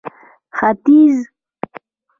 ختيځ